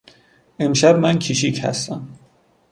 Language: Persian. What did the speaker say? امشب من کشیک هستم.